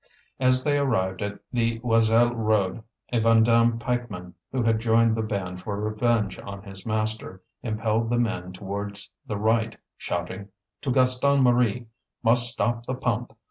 As they arrived at the Joiselle road a Vandame pikeman, who had joined the band for revenge on his master, impelled the men towards the right, shouting: "To Gaston Marie! Must stop the pump!